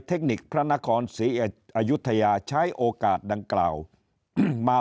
เทคนิคพระนครศรีอยุธยาใช้โอกาสดังกล่าวมา